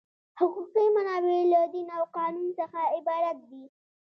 حقوقي منابع له دین او قانون څخه عبارت دي.